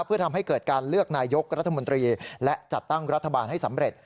เพื่อทำให้เกิดการเลือกนายกรัฐมนตรีและจัดตั้งรัฐบาลให้สำเร็จ